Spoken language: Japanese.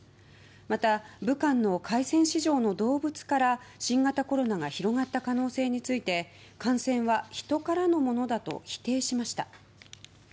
また、武漢の海鮮市場の動物から新型コロナが広がった可能性について感染はヒトからのものだと否定しました。